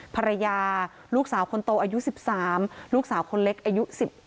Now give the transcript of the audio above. ภรรยาลูกสาวคนโตอายุ๑๓ลูกสาวคนเล็กอายุ๑๙